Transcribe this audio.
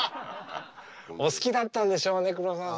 お好きだったんでしょうね黒澤さんね。